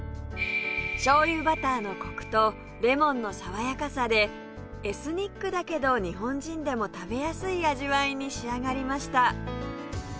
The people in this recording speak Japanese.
醤油バターのコクとレモンの爽やかさでエスニックだけど日本人でも食べやすい味わいに仕上がりました